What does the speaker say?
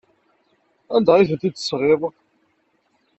Anda ay tent-id-tesɣiḍ?